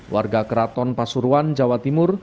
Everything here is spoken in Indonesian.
warga keraton pasuruan jawa timur